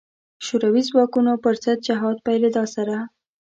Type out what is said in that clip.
شوروي ځواکونو پر ضد جهاد پیلېدا سره.